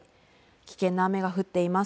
危険な雨が降っています。